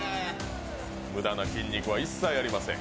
無駄な筋肉は一切ありません。